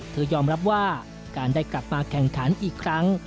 ยอมรับว่าการได้กลับมาแข่งขันอีกครั้ง